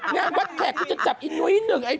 งานวัดแขกกูจะจับเห็นหนุ้ยหนึ่ง